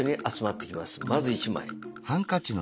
まず１枚。